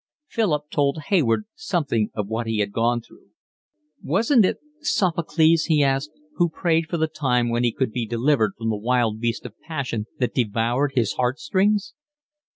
Philip told Hayward something of what he had gone through. "Wasn't it Sophocles," he asked, "who prayed for the time when he would be delivered from the wild beast of passion that devoured his heart strings?"